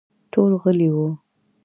ټول غلي وو.